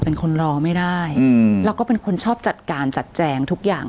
เป็นคนรอไม่ได้แล้วก็เป็นคนชอบจัดการจัดแจงทุกอย่าง